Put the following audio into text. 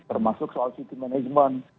termasuk soal city management